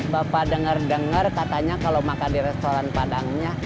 bapak denger denger katanya kalau makan di restoran padangnya